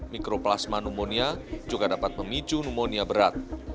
mikroplasma pneumonia juga dapat memicu pneumonia berat